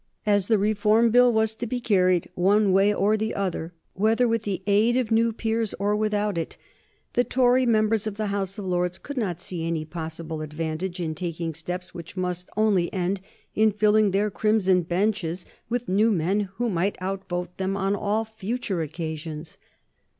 As the Reform Bill was to be carried one way or the other, whether with the aid of new peers or without it, the Tory members of the House of Lords could not see any possible advantage in taking steps which must only end in filling their crimson benches with new men who might outvote them on all future occasions.